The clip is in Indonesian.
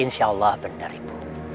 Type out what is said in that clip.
insyaallah benar ibu